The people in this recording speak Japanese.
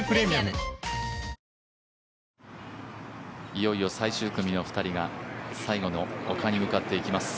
いよいよ最終組の２人が最後の丘に向かっていきます。